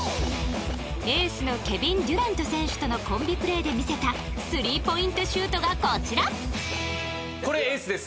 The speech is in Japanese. エースのケビン・デュラント選手とのコンビプレーで見せた３ポイントシュートがこちらこれ、エースです。